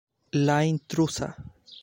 La intrusa.